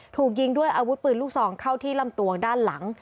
ถูกยิงด้วยอาวุธปืนลูกซองเข้าที่ลำตัวด้านหลัง